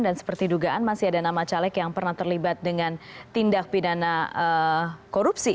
dan seperti dugaan masih ada nama caleg yang pernah terlibat dengan tindak pidana korupsi